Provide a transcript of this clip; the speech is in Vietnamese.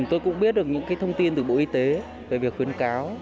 tôi cũng biết được những thông tin từ bộ y tế về việc khuyến cáo